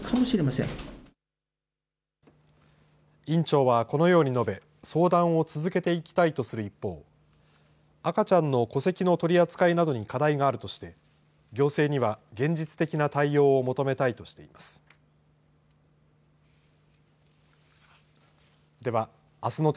院長はこのように述べ相談を続けていきたいとする一方赤ちゃんの戸籍の取り扱いなどに課題があるとして行政には現実的な対応を求めたいとしています。